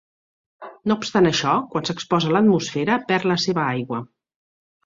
No obstant això, quan s'exposa a l'atmosfera, perd la seva aigua.